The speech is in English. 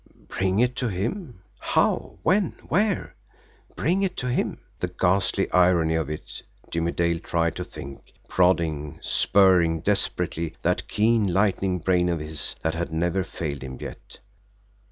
Bring it to him! How? When? Where? Bring it to him! The ghastly irony of it! Jimmie Dale tried to think prodding, spurring desperately that keen, lightning brain of his that had never failed him yet.